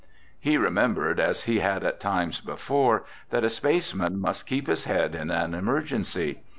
He remembered, as he had at times before, that a spaceman must keep his head in an emergency.